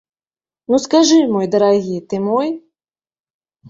Ну, скажы, мой дарагі, ты мой?